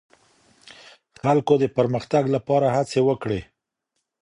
خلګو د پرمختګ لپاره هڅې وکړې.